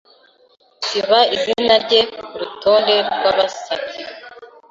Siba izina rye kurutonde rwabasabye.